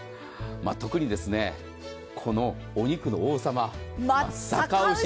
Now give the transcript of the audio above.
特にこのお肉の王様、松阪牛。